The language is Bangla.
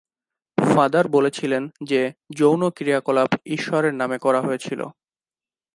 ফাদার বলেছিলেন যে যৌন ক্রিয়াকলাপ ঈশ্বরের নামে করা হয়েছিল।